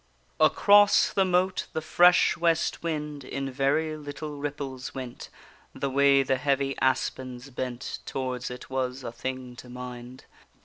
Across the moat the fresh west wind In very little ripples went; The way the heavy aspens bent Towards it, was a thing to mind.